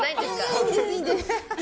いいです、いいです。